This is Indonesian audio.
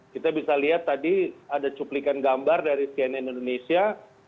kita bisa lihat tadi ada cuplikan gambar dari cnn indonesia